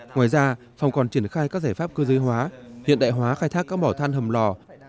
ngoài ra phòng còn triển khai các giải pháp cơ giới hóa hiện đại hóa khai thác các mỏ than hầm lò